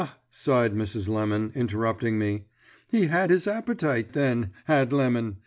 sighed Mrs. Lemon, interrupting me. "He had his appetite then, had Lemon!